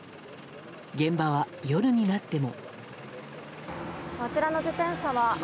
現場は夜になっても。